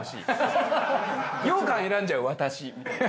「ようかん選んじゃう私」みたいな。